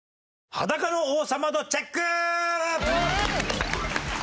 裸の王様度チェック！